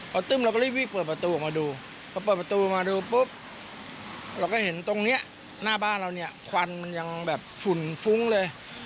เปิดประตูมาดูปุ๊บเราก็เห็นตรงเนี้ยหน้าบ้านเราเนี้ยควันมันยังแบบฝุ่นฟุ้งเลย